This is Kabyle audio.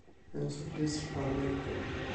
Anṣuf yes-k ɣer Marikan.